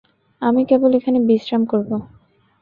আমি কেবল এখানে বিশ্রাম করবো।